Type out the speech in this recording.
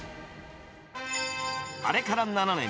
あれから７年。